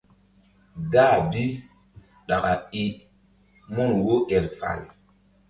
Dah bi ɗaka i I mun wo el fal.